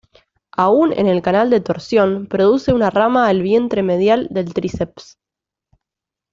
Aún en el canal de torsión, produce una rama al vientre medial del tríceps.